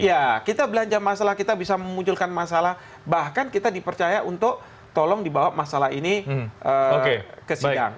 ya kita belanja masalah kita bisa memunculkan masalah bahkan kita dipercaya untuk tolong dibawa masalah ini ke sidang